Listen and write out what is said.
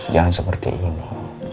jangan seperti ini